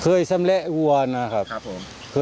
เคยสำเละวัวนะครับครับผม